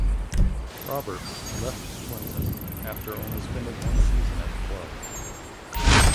Roberts left Swinton after only spending one season at the club.